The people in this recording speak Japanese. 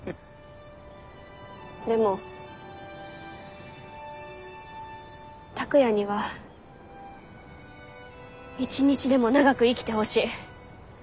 でも拓哉には一日でも長く生きてほしい。